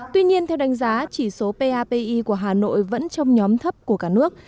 tuy nhiên theo đánh giá chỉ số papi của hà nội vẫn trong nhóm thấp của cả nước